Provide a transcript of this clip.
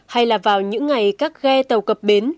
hay là vào những ngày các ghe tàu cập bến